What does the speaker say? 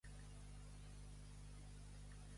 Tocar les castanyoles.